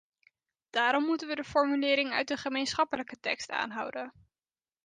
Daarom moeten we de formulering uit de gemeenschappelijke tekst aanhouden.